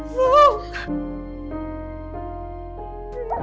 ลูก